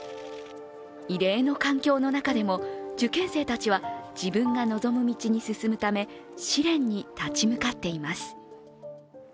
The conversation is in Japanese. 異例の環境の中でも受験生たちは自分が望む道に進むため試練に立ち向かっています。